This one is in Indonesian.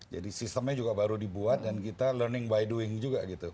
jadi sistemnya juga baru dibuat dan kita belajar melalui perbuatan juga gitu